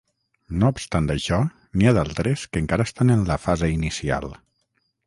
No obstant això, n'hi ha d'altres que encara estan en la fase inicial.